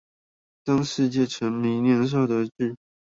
當世界沉迷年少得志